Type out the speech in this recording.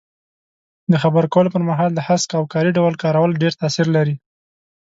د خبرو کولو پر مهال د هسک او کاري ډول کارول ډېر تاثیر لري.